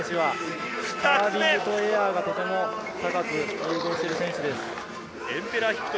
カービングとエアがとても高く融合している選手です。